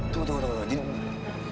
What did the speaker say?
tunggu tunggu tunggu